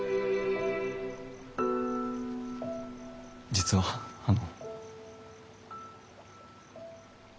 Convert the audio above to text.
実はあの。